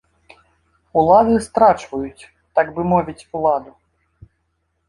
Улады страчваюць, так бы мовіць, уладу.